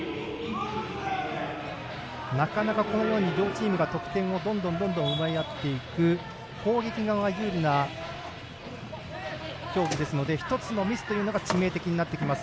なかなか両チームが得点をどんどん奪い合っていく攻撃側有利な競技ですので１つのミスというのが致命的になります。